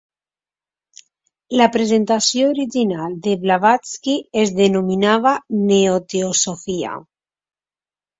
La presentació original de Blavatsky es denominava Neo-Teosofia.